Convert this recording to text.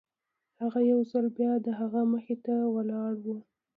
هغه يو ځل بيا د هغه مخې ته ولاړ و.